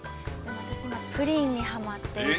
◆私、今、プリンにハマっていて。